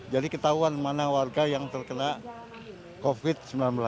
jadi ketahuan mana warga yang terkena covid sembilan belas